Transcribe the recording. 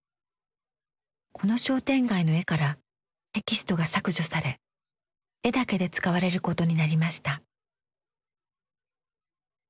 この商店街の絵からテキストが削除され絵だけで使われることになりました。